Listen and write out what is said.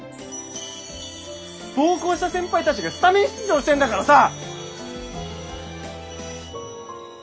暴行した先輩たちがスタメン出場してんだからさ！